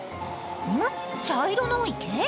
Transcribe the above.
ん、茶色の池？